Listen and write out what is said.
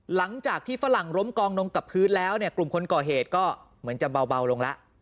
หลังจากที่ฝรั่งล้มกองลงกับพื้นแล้วเนี่ยกลุ่มคนก่อเหตุก็เหมือนจะเบาลงแล้ว